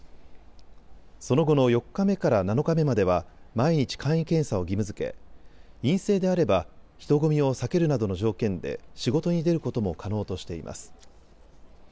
その後の４日目から７日目までは毎日簡易検査を義務づけ陰性であれば人混みを避けるなどの条件で仕事に出ることも可能としています。